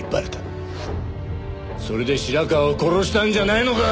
それで白河を殺したんじゃないのか？